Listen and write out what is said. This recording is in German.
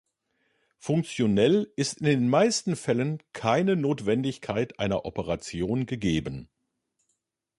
Funktionell ist in den meisten Fällen keine Notwendigkeit einer Operation gegeben.